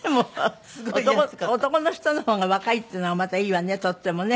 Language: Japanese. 男の人の方が若いっていうのがまたいいわねとってもね。